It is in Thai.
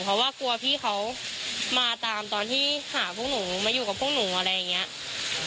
เพราะว่ากลัวพี่เขามาตามตอนที่หาพวกหนูมาอยู่กับพวกหนูอะไรอย่างนี้